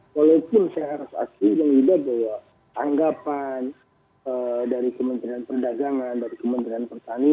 walaupun saya harus aktif dengan lidah bahwa anggapan dari kementerian perdagangan dari kementerian pertanian